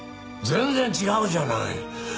全然違うじゃない！